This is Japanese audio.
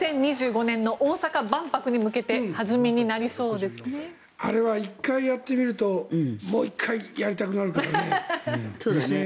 ２０２５年の大阪万博に向けてあれは１回やってみるともう１回やりたくなるからね。